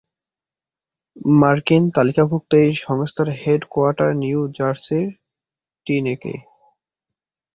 মার্কিন তালিকাভুক্ত এই সংস্থার হেড কোয়ার্টার নিউ জার্সির টিনেকে।